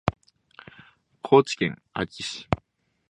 高知県安芸市